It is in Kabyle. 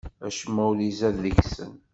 Acemma ur izad deg-sen.